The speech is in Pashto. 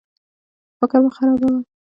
خو فکر مه خرابوه.